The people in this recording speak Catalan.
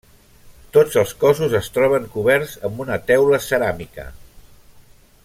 Tots els cossos es troben coberts amb teula ceràmica.